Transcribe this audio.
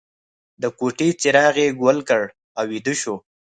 د کوټې څراغ یې ګل کړ او ویده شو